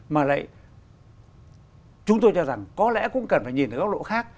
mà lại chúng tôi cho rằng có lẽ cũng cần phải nhìn ở góc độ khác